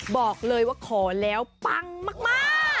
บอกเลยว่าขอแล้วปังมาก